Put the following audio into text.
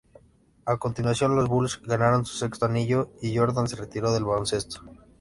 A continuación, los Bulls ganaron su sexto anillo y Jordan se retiró del baloncesto.